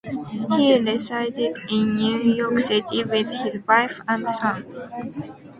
He resided in New York City with his wife and son.